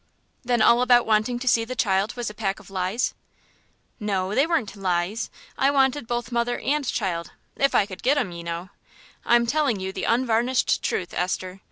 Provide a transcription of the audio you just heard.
"Then all about wanting to see the child was a pack of lies?" "No, they weren't lies. I wanted both mother and child if I could get 'em, ye know. I'm telling you the unvarnished truth, Esther.